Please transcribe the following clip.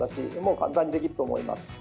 簡単にできると思います。